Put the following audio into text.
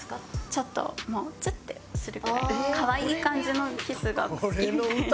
ちょっともうチュッてするくらいの可愛い感じのキスが好きみたい。